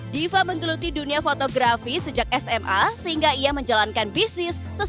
diva menggeluti dunia fotografi sejak sma sehingga ia menjalankan bisnis sesuai